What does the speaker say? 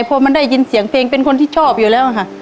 พอมันได้ยินเสียงเพลงเป็นคนที่ชอบอยู่แล้วค่ะ